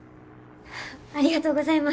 ありがとうございます！